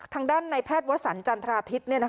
ทางด้านในแพทย์วสันจันทราทิศ